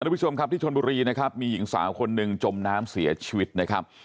ผู้ชมครับที่ชนบุรีนะครับมีหญิงสาวคนหนึ่งจมน้ำเสียชีวิตนะครับ